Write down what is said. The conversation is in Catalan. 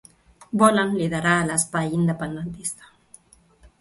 Volen liderar l'espai independentista.